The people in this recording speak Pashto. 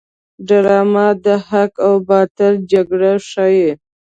ډرامه د حق او باطل جګړه ښيي